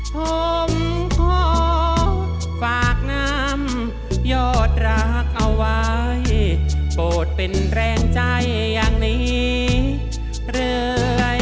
ผมขอฝากน้ำยอดรักเอาไว้โปรดเป็นแรงใจอย่างนี้เรื่อย